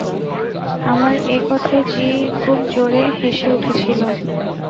আমার এ কথায় জি খুব জোরে হেসে উঠেছিল।